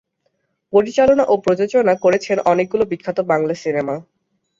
পরিচালনা ও প্রযোজনা করেছেন অনেকগুলি বিখ্যাত বাংলা সিনেমা।